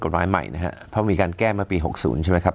กฎร้ายใหม่นะฮะเพราะมีการแก้มาปีหกศูนย์ใช่ไหมครับ